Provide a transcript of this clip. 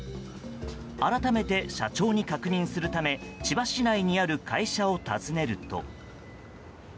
改めて社長に確認するため千葉市内にある会社を訪ねると。